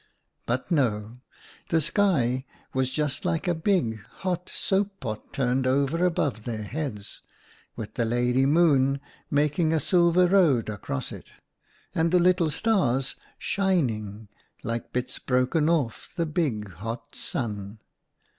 But no ! The sky was just like a big, hot soap pot turned over above their heads, with the Lady Moon making a silver road across it, and the little stars shining like bits broken off the big, hot Sun.